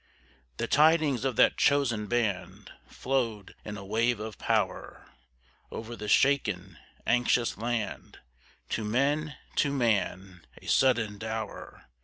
The tidings of that chosen band Flowed in a wave of power Over the shaken, anxious land, To men, to man, a sudden dower.